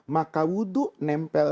maka wudhu nempel